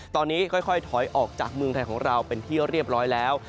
ตอนนี้ค่อยถอยออกจากเมืองไทยของเราเป็นที่เรียบร้อยแล้ว